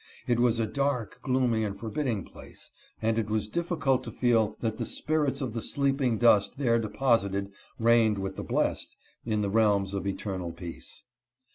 It was a dark, gloomy, and forbidding place, and it was difficult to feel that the spirits of the sleeping dust there deposited reigned with the blest in the realms of eternal peace.